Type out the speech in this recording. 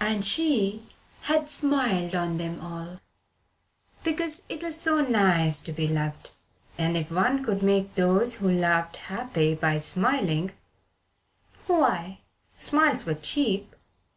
And she had smiled on them all, because it was so nice to be loved, and if one could make those who loved happy by smiling, why, smiles were cheap!